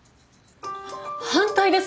反対です。